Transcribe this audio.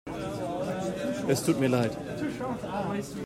Es tut mir leid.